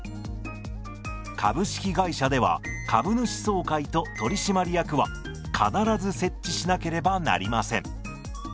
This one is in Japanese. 株式会社では株主総会と取締役は必ず設置しなければなりません。